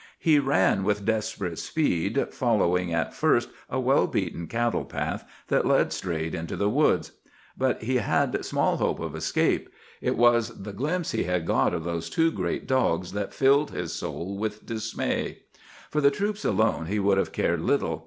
"He ran with desperate speed, following at first a well beaten cattle path that led straight into the woods. But he had small hope of escape. It was the glimpse he had got of those two great dogs that filled his soul with dismay. "For the troops alone he would have cared little.